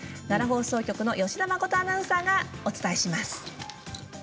奈良放送局の吉田真人アナウンサーがお伝えします。